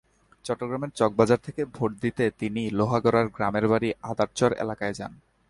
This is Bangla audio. চট্টগ্রামের চকবাজার থেকে ভোট দিতে তিনি লোহগাড়ার গ্রামের বাড়ি আদারচর এলাকায় যান।